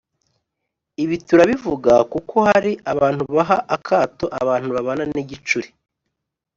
Ibi turabivuga kuko hari abantu baha akato abantu babana n’igicuri